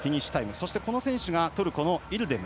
そしてこの選手がトルコのイルデム。